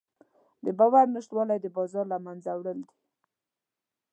د باور نشتوالی د بازار له منځه وړل دي.